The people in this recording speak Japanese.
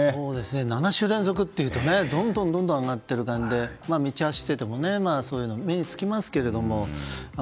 ７週連続というとどんどん上がっている感じで道を走っていても目につきますけれども。